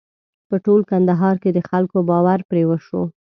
په ټول کندهار کې د خلکو باور پرې وشو.